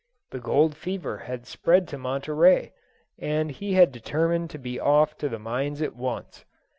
The gold fever had spread to Monterey, and he had determined to be off to the mines at once.